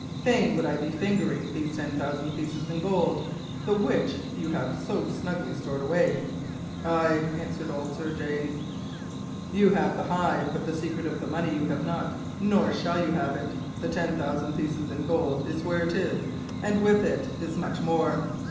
Fain would I be fingering these ten thousand pieces of gold, the which you have so snugly stored away.' "'Ay,' answered old Sir James, 'you have the hive, but the secret of the honey you have not, nor shall you have it. The ten thousand pieces in gold is where it is, and with it is much more.